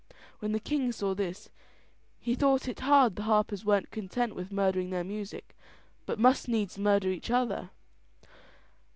When the king saw this, he thought it hard the harpers weren't content with murdering their music, but must needs murder each other.